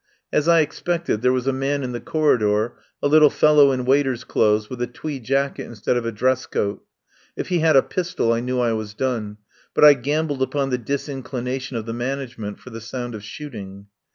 As I expected, there was a man in the cor 150 RESTAURANT IN ANTIOCH STREET ridor, a little fellow in waiter's clothes, with a tweed jacket instead of a dress coat. If he had a pistol I knew I was done, but I gambled upon the disinclination of the management for the sound of shooting.